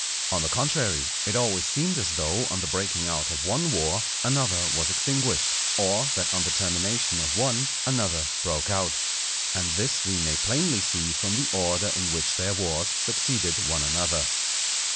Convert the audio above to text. On the contrary, it always seemed as though on the breaking out of one war, another was extinguished; or that on the termination of one, another broke out. And this we may plainly see from the order in which their wars succeeded one another.